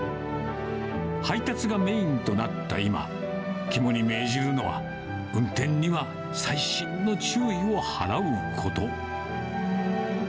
配達がメインとなった今、肝に銘じるのは、運転には細心の注意を払うこと。